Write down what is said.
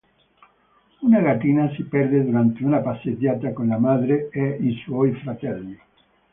Una gattina si perde durante una passeggiata con la madre e i suoi fratelli.